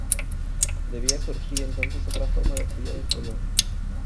Debía surgir entonces otra forma de estudiar el color.